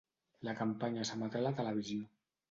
La campanya s'emetrà a la televisió.